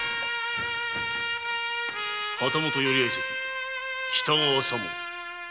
旗本寄合席・喜多川左門。